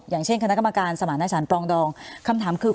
อย่างเช่นคณะกรรมการสมันต์หน้าฉันปรองดองคำถามคือ